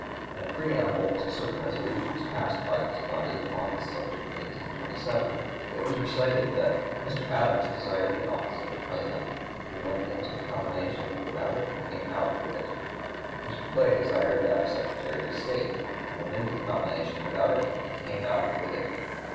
In a preamble to certain resolutions passed by this (p. 183) body upon this subject in 1827, it was recited that: "Mr. Adams desired the office of President; he went into the combination without it, and came out with it. Mr. Clay desired that of Secretary of State; he went into the combination without it, and came out with it."